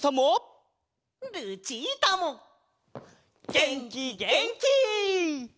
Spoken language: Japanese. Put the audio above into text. げんきげんき！